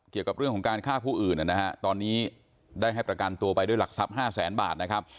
เกี่ยวกับเรื่องของการฆ่าผู้อื่นนะฮะตอนนี้ได้ให้ประกันตัวไปด้วยหลักทรัพย์๕แสนบาทนะครับ